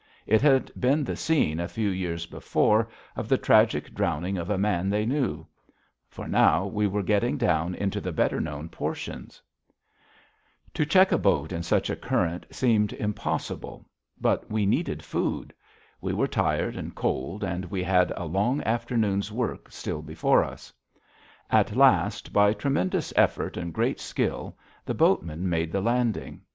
It had been the scene, a few years before, of the tragic drowning of a man they knew. For now we were getting down into the better known portions. [Illustration: The beginning of the cañon, Middle Fork of the Flathead River] To check a boat in such a current seemed impossible. But we needed food. We were tired and cold, and we had a long afternoon's work still before us. At last, by tremendous effort and great skill, the boatmen made the landing.